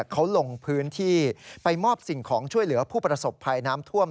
เขาลงพื้นที่ไปมอบสิ่งของช่วยเหลือผู้ประสบภัยน้ำท่วม